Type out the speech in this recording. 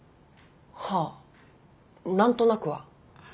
はあ何となくは。